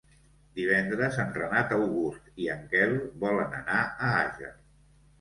Divendres en Renat August i en Quel volen anar a Àger.